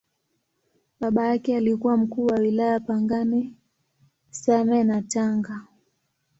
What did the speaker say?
Baba yake alikuwa Mkuu wa Wilaya Pangani, Same na Tanga.